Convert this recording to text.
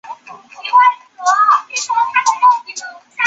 但也有一些非十八禁的被放在一般电视游戏旁。